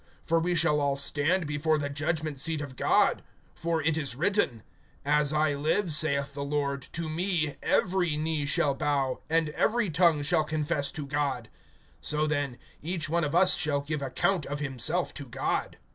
For we shall all stand before the judgment seat of God. (11)For it is written: As I live, saith the Lord, to me every knee shall bow, and every tongue shall confess to God.[14:11] (12)So then, each one of us shall give account of himself to God.